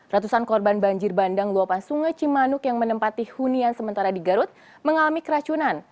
ratusan korban banjir bandang luapan sungai cimanuk yang menempati hunian sementara di garut mengalami keracunan